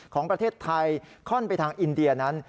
ของประเทศไทยค่อนไปทางอินเดียนั้น